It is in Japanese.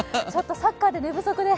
サッカーで寝不足で。